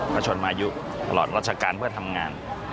ประชวนมาอยู่ตลอดรัชกาลเพื่อทำงาน